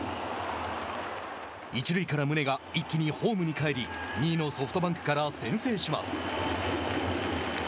一塁から宗が一気にホームに帰り２位のソフトバンクから先制します。